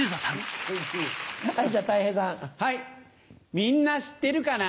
みんな知ってるかな？